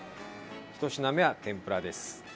１品目は天ぷらです。